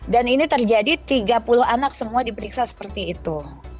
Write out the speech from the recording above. dan ini terjadi tiga puluh anak semua diperiksa seperti itu